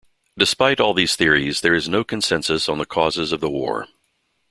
Despite all these theories, there is no consensus on the causes of the War.